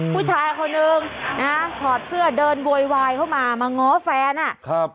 ผู้ชายคนหนึ่งนะฮะถอดเสื้อเดินโวยวายเข้ามามาง้อแฟนอ่ะครับ